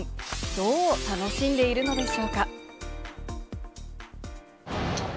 どう楽しんでいるのでしょうか。